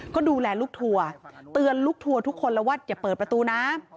ก็ดูแลลูกทัวร์เตือนลูกทัวร์ทุกคนแล้วว่าอย่าเปิดประตูนะ